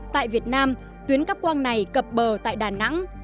tại việt nam tuyến cắp quang này cập bờ tại đà nẵng